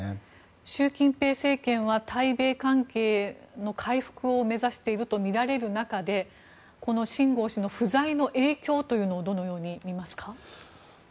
習近平政権は対米関係の回復を目指しているとみられる中でこのシン・ゴウ氏の不在の影響をどのようにみますか？